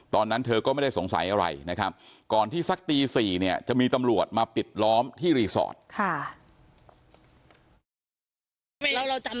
ตอนนั้นเธอก็ไม่ได้สงสัยอะไรนะครับก่อนที่สักตี๔เนี่ยจะมีตำรวจมาปิดล้อมที่รีสอร์ท